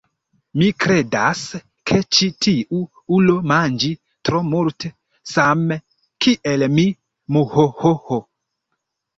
Mi kredas ke ĉi tiu ulo manĝi tro multe same kiel mi muhohoho